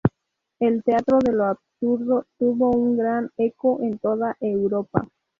El teatro de lo absurdo tuvo un gran eco en toda Europa.